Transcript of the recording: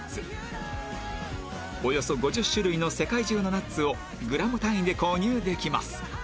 およそ５０種類の世界中のナッツをグラム単位で購入できます